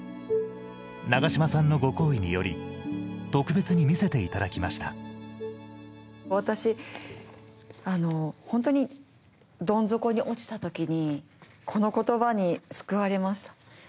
長嶋さんのご厚意により、特別に見せていただきました私、本当にどん底に落ちたときに、この言葉に救われました。